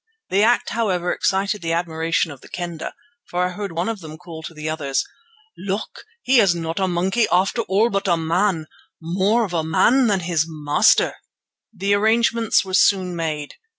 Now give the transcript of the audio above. The act, however, excited the admiration of the Kendah, for I heard one of them call to the others: "Look! He is not a monkey after all, but a man—more of a man than his master." The arrangements were soon made.